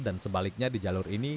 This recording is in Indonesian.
sebaliknya di jalur ini